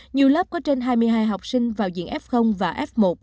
nhiều lớp có trên hai mươi hai học sinh vào diện f và f một